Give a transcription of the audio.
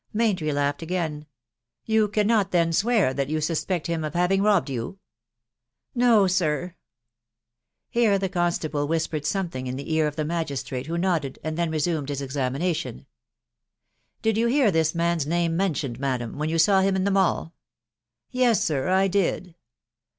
Maintry laughed again. " You cannot then swear that you suspect him of having robbed your?" *" No, sir." Here the .constable whispered something in the ear of ; the mugiMtrMte, who nodded, and then re*umeA\av*?roKiBa^^ fc54 THE WIDOW BARN AST. " Did you hear this man's name mentioned, madam, when you taw him in the Mall ?"—" Yes, air, I did."